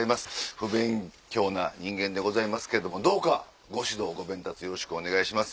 不勉強な人間でございますけどどうかご指導ご鞭撻よろしくお願いします。